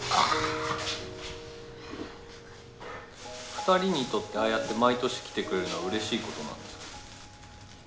２人にとってああやって毎年来てくれるのはうれしいことなんですか？